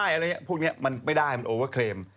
อะไรอย่างนี้พวกนี้มันไม่ได้มันโอเวอร์เครม